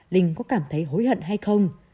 linh có cảm thấy hối hận hay không